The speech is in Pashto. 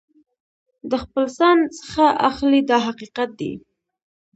د خپل ځان څخه اخلي دا حقیقت دی.